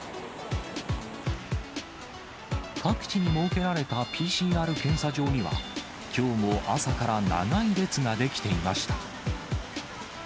各地に設けられたＰＣＲ検査場には、きょうも朝から長い列が出来ていました。